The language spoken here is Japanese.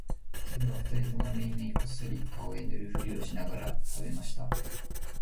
それは二人ともめいめいこっそり顔へ塗るふりをしながら喰べました